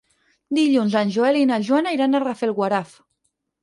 Dilluns en Joel i na Joana iran a Rafelguaraf.